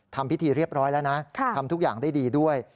ทำพิธีเรียบร้อยแล้วนะทำทุกอย่างได้ดีด้วย